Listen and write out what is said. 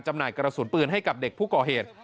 หน่ายกระสุนปืนให้กับเด็กผู้ก่อเหตุ